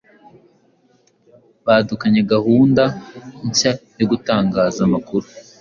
badukanye gahunda nshya yo gutangaza amakuru,